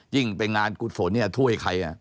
ยิ่งเป็นงานกุศโสนี่ถ้วยใคร